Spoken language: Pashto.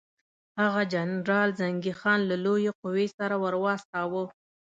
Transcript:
هغه جنرال زنګي خان له لویې قوې سره ورواستاوه.